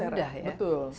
nah itu saya rasa